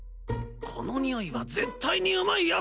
このにおいは絶対にうまいやつだ！